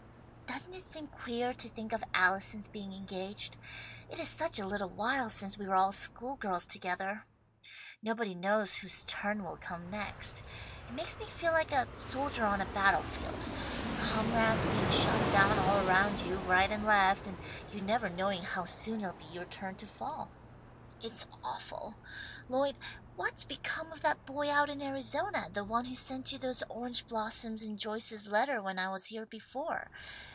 "Doesn't it seem queer to think of Allison's being engaged? It is such a little while since we were all school girls together. Nobody knows whose turn will come next. It makes me feel like a soldier on a battle field comrades being shot down all around you right and left and you never knowing how soon it'll be your turn to fall. It's awful! Lloyd, what's become of that boy out in Arizona, the one who sent you those orange blossoms in Joyce's letter when I was here before?